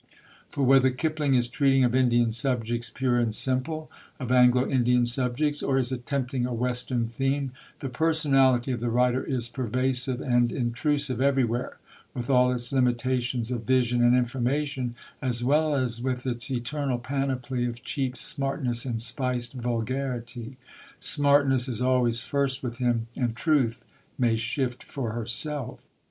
For whether Kipling is treating of Indian subjects pure and simple, of Anglo Indian subjects, or is attempting a Western theme, the personality of the writer is pervasive and intrusive everywhere, with all its limitations of vision and information, as well as with its eternal panoply of cheap smartness and spiced vulgarity.... Smartness is always first with him, and Truth may shift for herself."